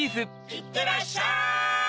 いってらっしゃい！